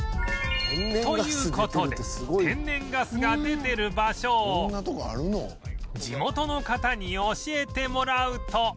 という事で天然ガスが出てる場所を地元の方に教えてもらうと